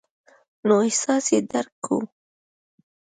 نو احساس یې درک کوو.